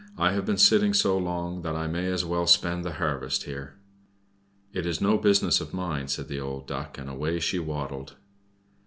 "I have been sitting so long, that I may as well spend the harvest here." "It is no business of mine," said the old Duck, and away she waddled.